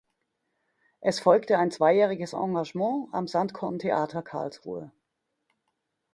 Es folgte ein zweijähriges Engagement am Sandkorn Theater Karlsruhe.